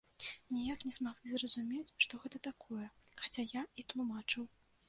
Ніяк не змаглі зразумець, што гэта такое, хаця я і тлумачыў.